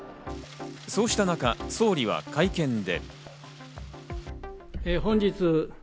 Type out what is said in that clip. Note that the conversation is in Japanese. そうした中、総理は会見で。